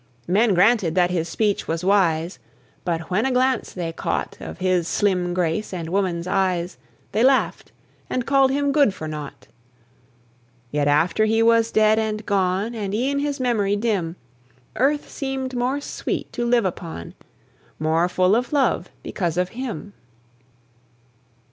Men granted that his speech was wise, But, when a glance they caught Of his slim grace and woman's eyes, They laughed, and called him good for naught. Yet after he was dead and gone, And e'en his memory dim, Earth seemed more sweet to live upon, More full of love, because of him.